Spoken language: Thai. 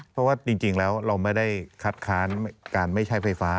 เพราะว่าจริงแล้วเราไม่ได้คัดค้านการไม่ใช้ไฟฟ้า